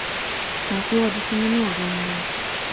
Tās lodes viņu nogalinās!